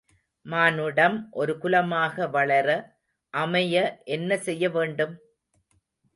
மானுடம் ஒரு குலமாக வளர, அமைய என்ன செய்ய வேண்டும்?